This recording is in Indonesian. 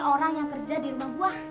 orang yang kerja di rumah buah